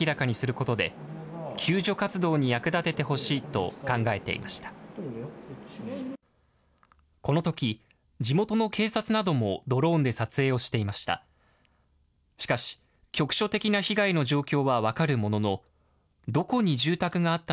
このとき、地元の警察などもドローンで撮影をしていました。